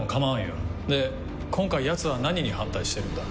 で今回ヤツは何に反対してるんだ？